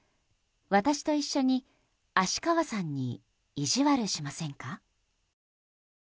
私と一緒に芦川さんにいじわるしませんか？